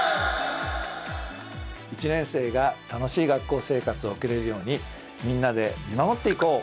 １年生が楽しい学校生活を送れるようにみんなで見守っていこう！